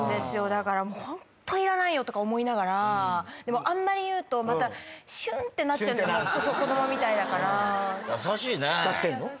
だからホンットいらないよと思いながらでもあんまり言うとまたシュンってなっちゃうんです子どもみたいだから優しいね使ってんの？